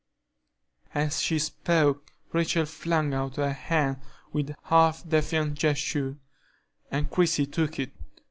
As she spoke Rachel flung out her hand with a half defiant gesture, and Christie took it.